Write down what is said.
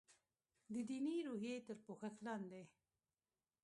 د دیني روحیې تر پوښښ لاندې.